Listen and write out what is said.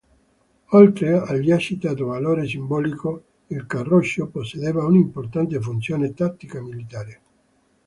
Oltre al già citato valore simbolico, il Carroccio possedeva un'importante funzione tattica militare.